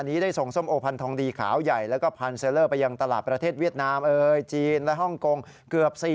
นี่เห่อกันไม่ทันนะนะครับ